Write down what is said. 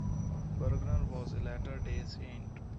Burgener was a Latter-day Saint.